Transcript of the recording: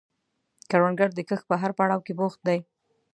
کروندګر د کښت په هر پړاو کې بوخت دی